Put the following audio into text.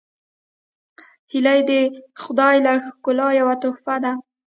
هیلۍ د خدای له ښکلاوو یوه تحفه ده